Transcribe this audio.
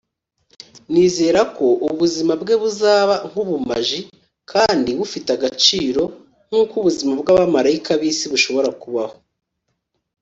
nizera ko ubuzima bwe buzaba nk'ubumaji kandi bufite agaciro, nkuko ubuzima bw'abamarayika b'isi bushobora kubaho